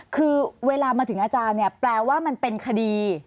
คือเวลามาถึงอาจารย์เนี่ยแปลว่ามันเป็นคดี